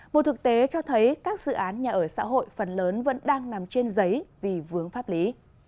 một thực tế cho thấy các dự án nhà ở xã hội phần lớn vẫn đang nằm trên giấy vì vướng pháp lý